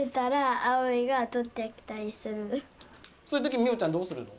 そういうときみよちゃんどうするの？